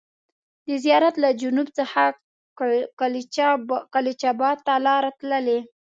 د زیارت له جنوب څخه کلچا بات ته لار تللې.